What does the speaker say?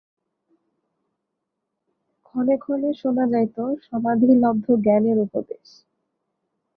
ক্ষণে ক্ষণে শোনা যাইত সমাধিলব্ধ জ্ঞানের উপদেশ।